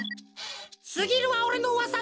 すぎるはおれのうわさ